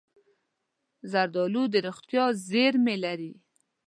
زردالو د روغتیا زېرمې لري.